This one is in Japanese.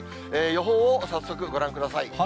予報を早速、ご覧ください。